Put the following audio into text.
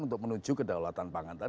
untuk menuju kedaulatan pangan